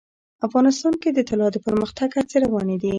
افغانستان کې د طلا د پرمختګ هڅې روانې دي.